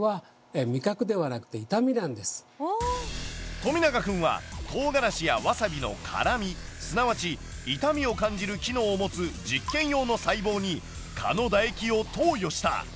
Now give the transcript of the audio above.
富永くんはトウガラシやワサビの辛みすなわち痛みを感じる機能を持つ実験用の細胞に蚊の唾液を投与した。